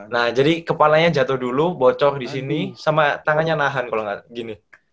nah jadi kepalanya jatuh dulu bocor disini sama tangannya nahan kalo gak gini